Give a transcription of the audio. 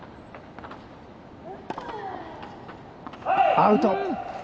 アウト。